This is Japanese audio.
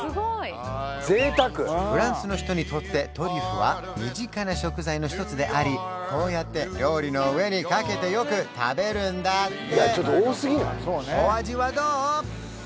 フランスの人にとってトリュフは身近な食材の一つでありこうやって料理の上にかけてよく食べるんだって